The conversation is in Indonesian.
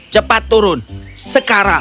cepat turun sekarang